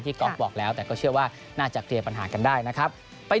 ก๊อฟบอกแล้วแต่ก็เชื่อว่าน่าจะเคลียร์ปัญหากันได้นะครับ